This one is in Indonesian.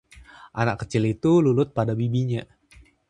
anak kecil itu lulut pada bibinya